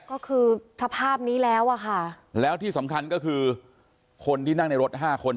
ก็คือสภาพนี้แล้วอะค่ะแล้วที่สำคัญก็คือคนที่นั่งในรถห้าคน